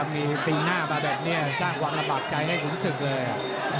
มีปีหน้ามาแบบนี้สร้างความระบากใจให้ขุนศึกเลย